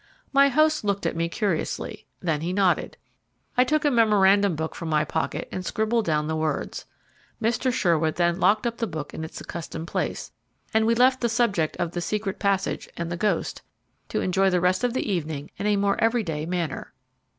My host looked at me curiously; then he nodded. I took a memorandum book from my pocket and scribbled down the words. Mr. Sherwood then locked up the book in its accustomed place, and we left the subject of the secret passage and the ghost, to enjoy the rest of the evening in a more everyday manner.